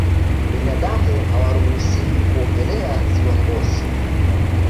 binadamu hawaruhusiwi kuogelea ziwa ngosi